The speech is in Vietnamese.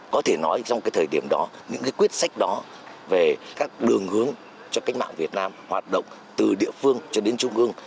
có thể nói trong cái thời điểm đó những quyết sách đó về các đường hướng cho cách mạng việt nam hoạt động từ địa phương cho đến trung ương